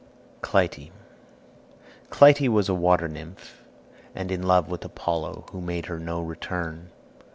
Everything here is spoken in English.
CLYTIE Clytie was a water nymph and in love with Apollo, who made her no return.